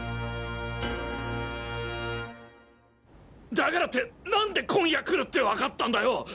だからって何で今夜来るってわかったんだよ！